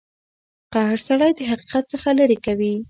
قهر سړی د حقیقت څخه لرې کوي.